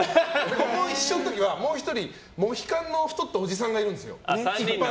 俺も一緒の時はもう１人モヒカンの太ったおじさんがいるんですよ。